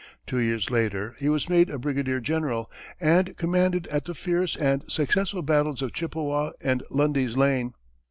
Two years later, he was made a brigadier general, and commanded at the fierce and successful battles of Chippewa and Lundy's Lane.